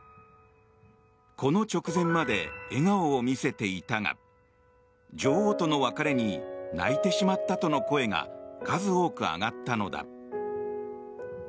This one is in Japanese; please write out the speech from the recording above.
この直前まで笑顔を見せていたが女王との別れに泣いてしまったとの声が数多く上がったのだ。